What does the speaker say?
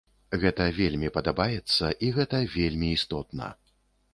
Гэта вельмі падабаецца, і гэта вельмі істотна.